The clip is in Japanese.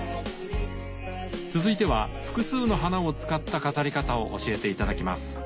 続いては複数の花を使った飾り方を教えて頂きます。